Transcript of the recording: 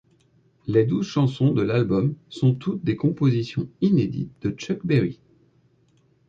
Les douze chansons de l'album sont toutes des compositions inédites de Chuck Berry.